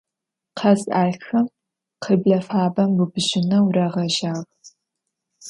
Khaz 'elxem khıble fabem bıbıjıneu rağejağ.